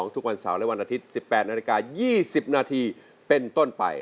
ทุกวันเสาร์และวันอาทิตย์๑๘นาฬิกา๒๐นาทีเป็นต้นไป